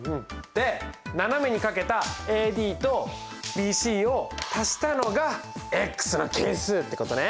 で斜めにかけたｄとｂｃを足したのがの係数ってことね。